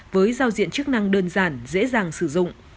với giao diện chức năng đơn giản dễ dàng sử dụng